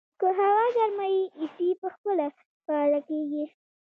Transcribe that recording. که هوا ګرمه وي، اې سي په خپله فعاله کېږي.